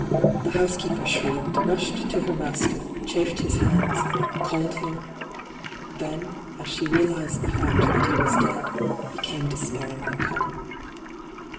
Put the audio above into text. The housekeeper shrieked, rushed to her master, chafed his hands, called him ; then, as she reaUzed the &ct t^t he was dead, became despairingly calm.